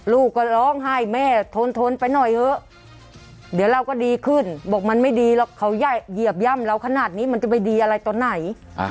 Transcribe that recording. ลูกก็ร้องไห้แม่ทนไปหน่อยเถอะเดี๋ยวเราก็ดีขึ้นบอกมันไม่ดีหรอกเขาเหยียบย่ำเราขนาดนี้มันจะไปดีอะไรตอนไหน